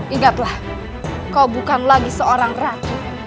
ingatlah kau bukan lagi seorang ratu